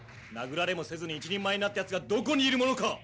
殴られもせずに一人前になったやつがどこにいるものか！」